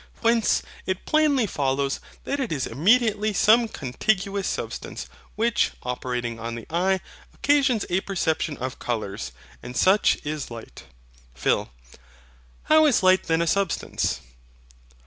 Whence it plainly follows that it is immediately some contiguous substance, which, operating on the eye, occasions a perception of colours: and such is light. PHIL. Howl is light then a substance?